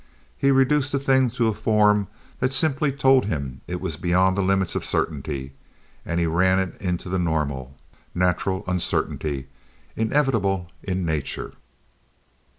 He'd reduced the thing to a form that simply told him it was beyond the limits of certainty and he ran it into the normal, natural uncertainty inevitable in Nature.